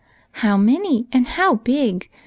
" How many, and how big !